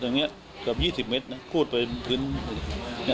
ตรงนี้เกือบ๒๐เมตรคูดไปพื้น